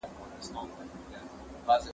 اوبه د زهشوم له خوا پاکې کيږي